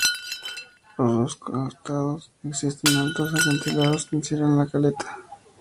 A los costados existen altos acantilados que encierran la caleta.